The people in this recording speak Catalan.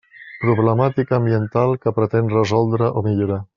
Problemàtica ambiental que pretén resoldre o millorar.